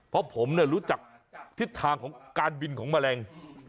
เพราะผมรู้จักทิศทางของการบินของแมลง